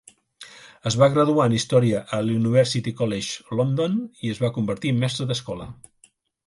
Es va graduar en Història a University College London i es va convertir en mestre d'escola.